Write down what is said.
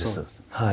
はい。